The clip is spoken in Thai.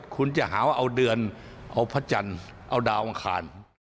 คุณจะหาว่าเอาเดือนเอาพระจันทร์เอาดาวอังคาร